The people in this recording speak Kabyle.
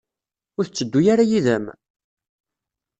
Ur tetteddu ara yid-m?